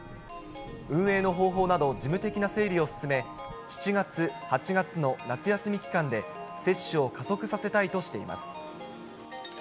運営の方法など、事務的な整理を進め、７月、８月の夏休み期間で接種を加速させたいとしています。